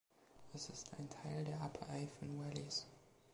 Es ist ein Teil der „Upper Afan Valleys“.